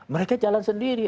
mereka jalan sendiri